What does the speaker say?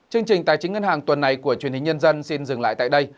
chương trình tài chính ngân hàng tuần này của truyền hình nhân dân xin dừng lại tại đây